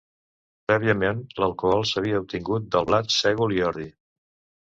Prèviament, l'alcohol s'havia obtingut de blat, sègol i ordi.